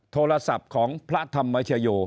โทรศัพท์ของพระธรรมชโย